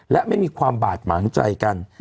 และไม่มีความบาดหมางใจกัน